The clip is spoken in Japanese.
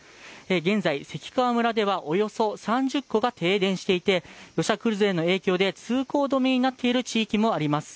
現在、関川村ではおよそ３０戸が停電していて土砂崩れの影響で通行止めになっている地域もあります。